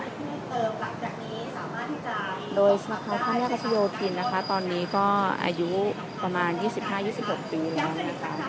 โดยสำคัญข้ามแยกรัชโยธินนะคะตอนนี้ก็อายุประมาณ๒๕๒๖ปีแล้วนะคะ